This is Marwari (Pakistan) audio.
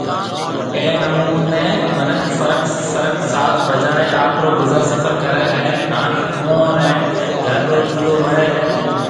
اهڙي نموني منک فرق ساز بجائي آپرو گذر سفر ڪري هي هان اوئون ري گھر رو چولو ٻڙي هي